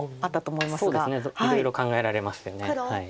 そうですねいろいろ考えられましたよね。